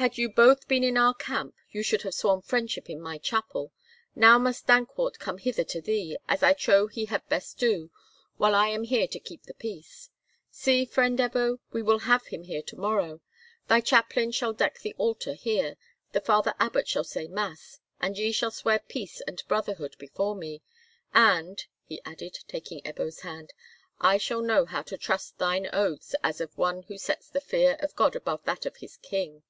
"Had you both been in our camp, you should have sworn friendship in my chapel. Now must Dankwart come hither to thee, as I trow he had best do, while I am here to keep the peace. See, friend Ebbo, we will have him here to morrow; thy chaplain shall deck the altar here, the Father Abbot shall say mass, and ye shall swear peace and brotherhood before me. And," he added, taking Ebbo's hand, "I shall know how to trust thine oaths as of one who sets the fear of God above that of his king."